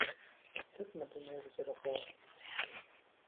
Сыт мы дунейр зэрыхъуар?